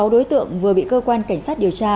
sáu đối tượng vừa bị cơ quan cảnh sát điều tra